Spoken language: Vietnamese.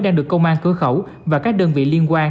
đang được công an cửa khẩu và các đơn vị liên quan